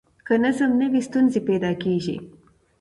که نظم نه وي، ستونزې پیدا کېږي.